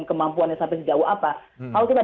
kemampuannya sampai sejauh apa kalau kita